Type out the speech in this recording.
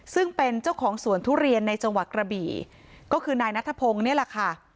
ซึ่งเป็นเจ้าของสวนทุเรียนในจังหวัดกระบี่ก็คือนายนัทพงศ์นี่แหละค่ะ